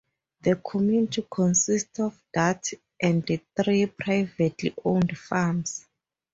The community consists of that and three privately owned farms.